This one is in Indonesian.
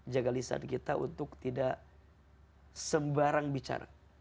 jaga lisan kita untuk tidak sembarang bicara